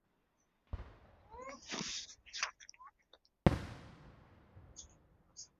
因此到处收购因日军以军票代替而沦为废纸的香港钞票。